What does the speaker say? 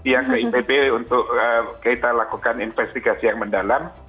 yang ke ipb untuk kita lakukan investigasi yang mendalam